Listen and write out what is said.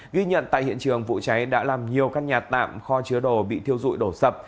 ghi nhận tại hiện trường vụ cháy đã làm nhiều căn nhà tạm kho chứa đồ bị thiêu dụi đổ sập